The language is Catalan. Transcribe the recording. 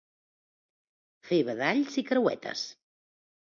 Fer badalls i creuetes.